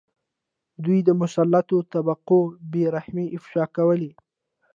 دوی د مسلطو طبقو بې رحمۍ افشا کولې.